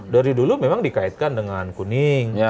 dari dulu memang dikaitkan dengan kuning